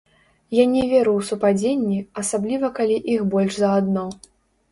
Я не веру ў супадзенні, асабліва калі іх больш за адно.